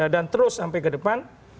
dan terus sampai ke depan